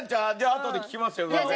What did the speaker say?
あとで聞きますよ楽屋で。